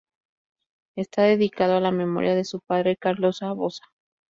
Está dedicado a la memoria de su padre Carlos A. Bossa.